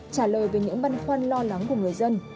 trả lời về những băn khoăn lo lắng của người dân